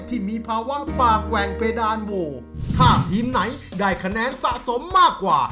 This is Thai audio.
ที่มีภาวะปากแหว่งเพดานโวถ้าทีมไหนได้คะแนนสะสมมากกว่า